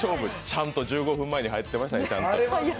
ちゃんと１５分前に入ってましたね。